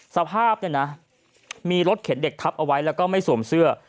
สภาพเนี่ยนะมีรถเข็นเด็กทับเอาไว้แล้วก็ไม่สวมเสื้อ